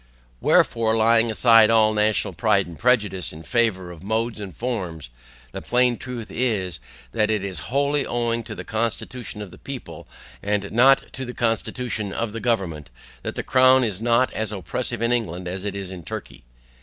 Wherefore, laying aside all national pride and prejudice in favour of modes and forms, the plain truth is, that IT IS WHOLLY OWING TO THE CONSTITUTION OF THE PEOPLE, AND NOT TO THE CONSTITUTION OF THE GOVERNMENT that the crown is not as oppressive in England as in Turkey.